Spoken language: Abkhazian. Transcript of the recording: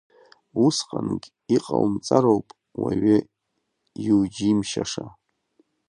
Усҟангь иҟаумҵароуп, уаҩы иуџьимшьаша…